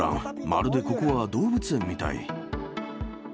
まるでここは動物園みたい。